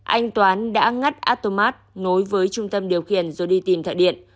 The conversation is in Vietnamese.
anh toán đã ngắt atomat nối với trung tâm điều khiển rồi đi tìm thụy điện